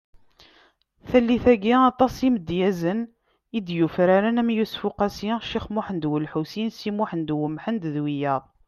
Tallit-agi, aṭas n yimedyazen i d-yufraren am Yusef Uqasi , Cix Muhend Ulḥusin Si Muḥend Umḥend d wiyaḍ .